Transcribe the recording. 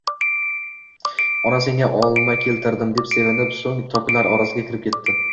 «ona senga olma keltirdim "dedi sevinib, so'ng toklar orasiga kirib ketdi.